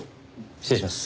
失礼します。